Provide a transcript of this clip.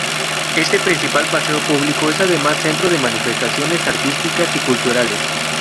Este principal paseo público es además centro de manifestaciones artísticas y culturales.